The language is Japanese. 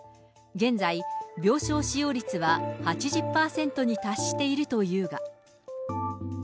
現在、病床使用率は８０％に達しているというが。